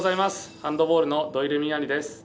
ハンドボールの土井レミイ杏利です。